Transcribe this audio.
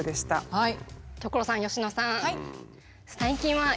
はい。